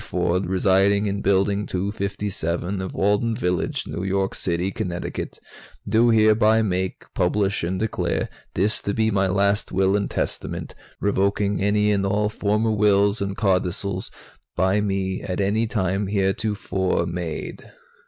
Ford, residing in Building 257 of Alden Village, New York City, Connecticut, do hereby make, publish and declare this to be my last Will and Testament, revoking any and all former wills and codicils by me at any time heretofore made."